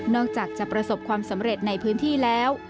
อกจากจะประสบความสำเร็จในพื้นที่แล้ว